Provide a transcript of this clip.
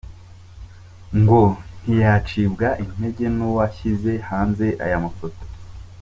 Ngo ntiyacibwa intege n'uwashyize hanze aya mafoto.